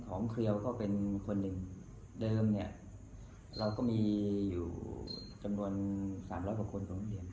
เคลียร์ก็เป็นคนหนึ่งเดิมเนี่ยเราก็มีอยู่จำนวน๓๐๐กว่าคนของเหรียญ